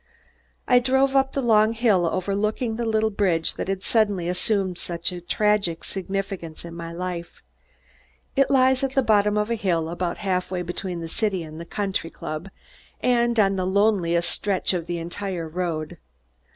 I drove up the long hill overlooking the little bridge that had suddenly assumed such a tragic significance in my life. It lies at the bottom of the hill, about half way between the city and the country club and on the loneliest stretch of the entire road.